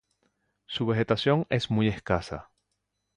Su vegetación es muy escasa.